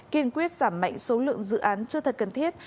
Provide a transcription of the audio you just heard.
kiên quyết giảm mạnh số lượng dự án chưa thật cần thiết